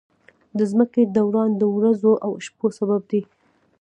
د ځمکې دوران د ورځو او شپو سبب دی.